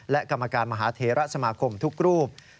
และกรรมการมหาเทระสมาคมทุกรูป